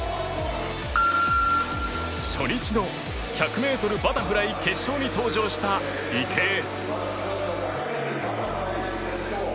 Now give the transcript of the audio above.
初日の１００メートルバタフライ決勝に登場した池江